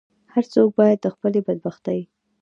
هر څوک باید د خپلې بدبختۍ.